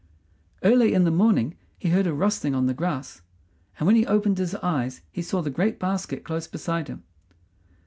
Early in the morning he heard a rustling on the grass, and when he opened his eyes he saw the great basket close beside him.